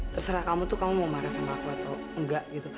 terserah kamu tuh kamu mau marah sama aku atau enggak gitu